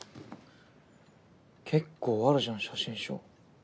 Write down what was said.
結構あるじゃん写真賞。